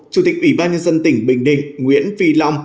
chủ tịch ủy ban nhân dân tỉnh bình định nguyễn phi long